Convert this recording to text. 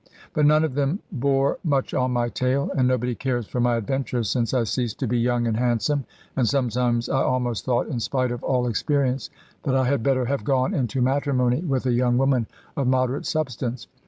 But none of them bore much on my tale, and nobody cares for my adventures, since I ceased to be young and handsome; and sometimes I almost thought (in spite of all experience) that I had better have gone into matrimony with a young woman of moderate substance.